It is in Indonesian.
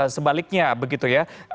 sebaliknya begitu ya